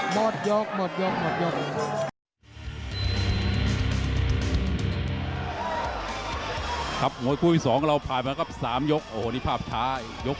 หมดยกหมดยกหมดยก